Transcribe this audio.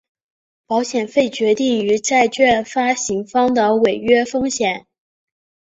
保险费决定于债券发行方的违约风险。